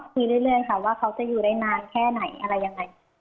คุยเรื่อยค่ะว่าเขาจะอยู่ได้นานแค่ไหนอะไรยังไง